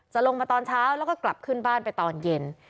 ลงมาตอนเช้าแล้วก็กลับขึ้นบ้านไปตอนเย็น